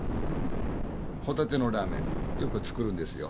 ホタテのラーメンよく作るんですよ。